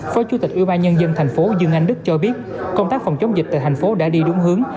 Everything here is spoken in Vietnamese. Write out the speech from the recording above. phó chủ tịch ủy ban nhân dân thành phố dương anh đức cho biết công tác phòng chống dịch tại thành phố đã đi đúng hướng